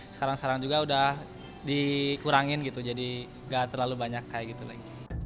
sekarang sekarang juga udah dikurangin gitu jadi gak terlalu banyak kayak gitu lagi